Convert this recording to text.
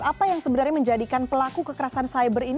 apa yang sebenarnya menjadikan pelaku kekerasan cyber ini